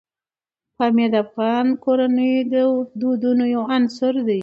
پامیر د افغان کورنیو د دودونو یو عنصر دی.